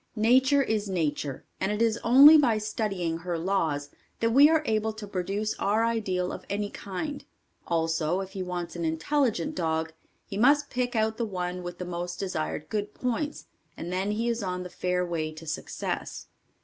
Nature is nature, and it is only by studying her laws that we are able to produce our ideal of any kind; also, if he wants an intelligent dog, he must pick out the one with the most desired good points, and then he is on the fair way to success.